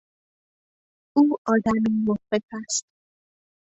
او آدمی مخبط است.